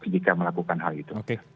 jika melakukan hal itu